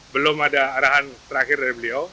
belum ada arahan terakhir dari beliau